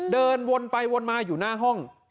เดินวนไปวนมาอยู่หน้าห้อง